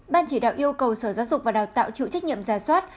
ban chỉ đạo yêu cầu sở giáo dục và đào tạo chủ trách nhiệm giả soát